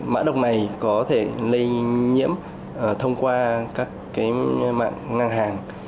mã độc này có thể lây nhiễm thông qua các cái mạng ngang hàng